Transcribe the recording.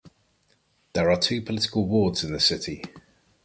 There are two political wards in the city.